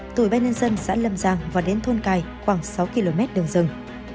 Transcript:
tùy bách ninh dân xã lâm giang và đến thôn cài khoảng sáu km đường rừng